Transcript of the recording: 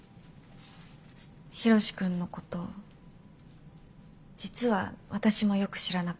ヒロシ君のこと実は私もよく知らなくって。